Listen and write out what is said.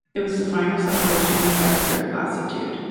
It was the final separation, desperate lassitude.